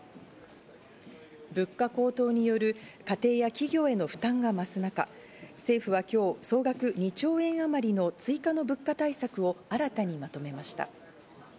物価高騰による家庭や企業への負担が増す中、政府は今日、総額２兆円あまりの追加の物価対策を新たにまとめました。